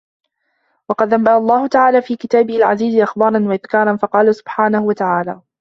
وَقَدْ أَنْبَأَ اللَّهُ تَعَالَى فِي كِتَابِهِ الْعَزِيزِ أَخْبَارًا وَإِذْكَارًا فَقَالَ سُبْحَانَهُ وَتَعَالَى